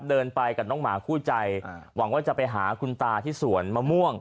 เดินไปกับน้องหมาคู่ใจหวังว่าจะไปหาคุณตาที่สวนมะม่วง